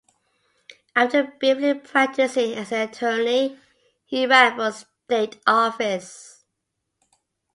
After briefly practicing as an attorney, he ran for state office.